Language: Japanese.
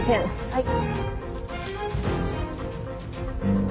はい。